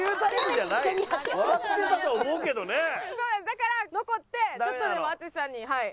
だから残ってちょっとでも淳さんにはい。